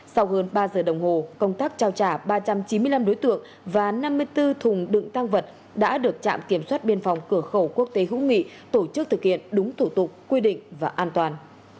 sau hơn ba giờ đồng hồ công tác trao trả ba trăm chín mươi năm đối tượng và năm mươi bốn thùng đựng tăng vật đã được trạm kiểm soát biên phòng cửa khẩu quốc tế hữu nghị tổ chức thực hiện đúng thủ tục quy định và an toàn